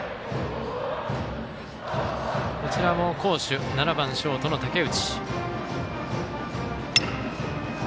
こちらも好守７番、ショートの竹内。